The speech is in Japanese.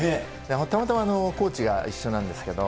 たまたまコーチが一緒なんですけれども。